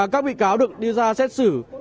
các bị cáo được đưa ra xét xử